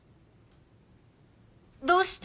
どうして？